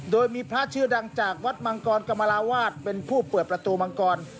โดยมีพระชื่อดังจากวัดมังกรกรรมราวาสเป็นผู้เปิดประตูมังกร